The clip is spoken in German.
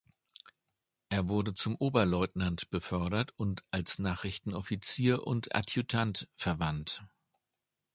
Er wurde zum Oberleutnant befördert und als Nachrichtenoffizier und Adjutant verwandt.